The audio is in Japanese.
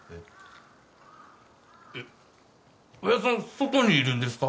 外にいるんですか？